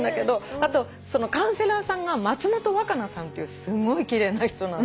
あとそのカウンセラーさんが松本若菜さんっていうすごい奇麗な人なの。